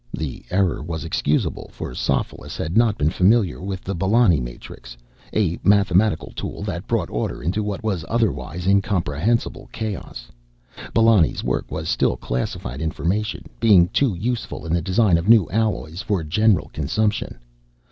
The error was excusable, for Sophoulis had not been familiar with the Belloni matrix, a mathematical tool that brought order into what was otherwise incomprehensible chaos. Belloni's work was still classified information, being too useful, in the design of new alloys, for general consumption.